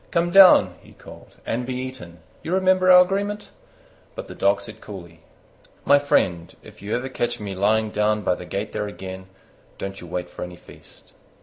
"Come down," he called, "and be eaten: you remember our agreement?" But the Dog said coolly, "My friend, if ever you catch me lying down by the gate there again, don't you wait for any feast."